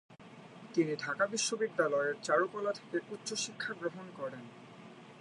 তিনি ঢাকা বিশ্ববিদ্যালয়ের চারুকলা থেকে উচ্চশিক্ষা গ্রহণ করেন।